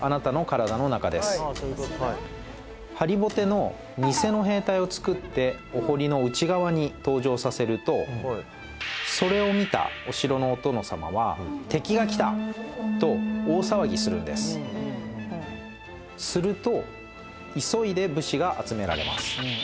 ハリボテの偽の兵隊を作ってお堀の内側に登場させるとそれを見たお城のお殿様は敵が来たと大騒ぎするんですすると急いで武士が集められます